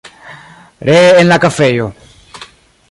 Ree en la kafejo.